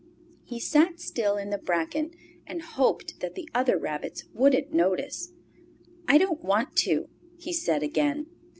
He sat still in the bracken, and hoped that the other rabbits wouldn't notice. "I don't want to!" he said again.